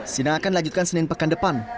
sidang akan dilanjutkan senin pekan depan